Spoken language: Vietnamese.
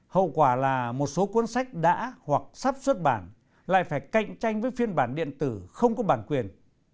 hậu quả là một số cuốn sách đã hoặc sắp xuất bản lại phải cạnh tranh với phiên bản điện tử không có bản quyền